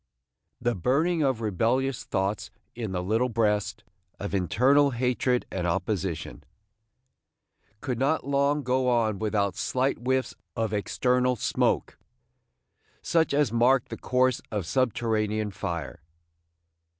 The burning of rebellious thoughts in the little breast, of internal hatred and opposition, could not long go on without slight whiffs of external smoke, such as mark the course of subterranean fire.